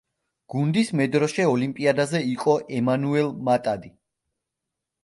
გუნდის მედროშე ოლიმპიადაზე იყო ემანუელ მატადი.